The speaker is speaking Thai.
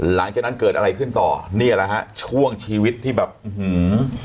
หลังจากนั้นเกิดอะไรขึ้นต่อเนี่ยแหละฮะช่วงชีวิตที่แบบอื้อหือ